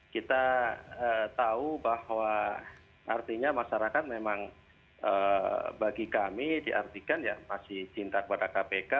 kita tahu bahwa artinya masyarakat memang bagi kami diartikan ya masih cinta kepada kpk